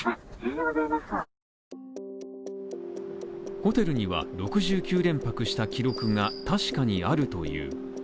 ホテルには６９連泊した記録が確かにあるという。